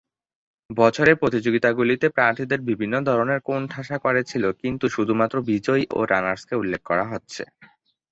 বছরে প্রতিযোগিতাগুলিতে প্রার্থীদের বিভিন্ন ধরনের কোণঠাসা করে ছিল কিন্তু শুধুমাত্র বিজয়ী ও রানার্সকে উল্লেখ করা হচ্ছে।